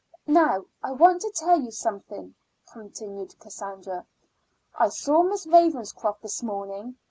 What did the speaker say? "Now I want to tell you something," continued Cassandra. "I saw Miss Ravenscroft this morning.